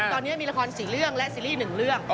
ตอนนี้มีละคร๔เรื่องและซีรีส์๑เรื่อง